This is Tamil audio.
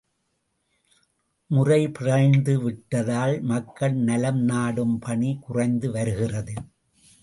முறைபிறழ்ந்து விட்டதால் மக்கள் நலம் நாடும் பணி குறைந்து வருகிறது.